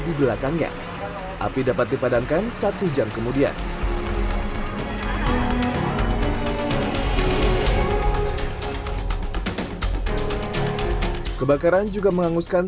di belakangnya api dapat dipadamkan satu jam kemudian kebakaran juga menghanguskan